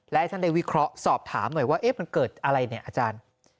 และให้ท่านได้วิเคราะห์สอบถามหน่อยว่ามันเกิดอะไรเนี่ยอาจารย์